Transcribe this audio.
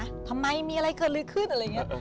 อย่าหันนะทำไมมีอะไรเกินลึกขึ้นอะไรอย่างเงี้ย